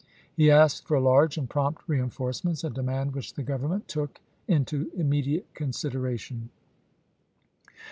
He asked for large and prompt p^. les.' reenforcements, a demand which the Grovemment took into immediate consideration.